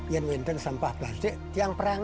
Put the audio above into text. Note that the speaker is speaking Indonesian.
ian winton sampah plastik tiang perang